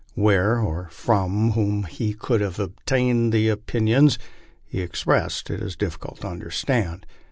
Where or from whom he could have obtained the opinions he ex pressed, it is difficult to understand.